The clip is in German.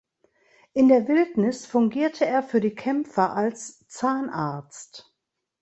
In der Wildnis fungierte er für die Kämpfer als Zahnarzt.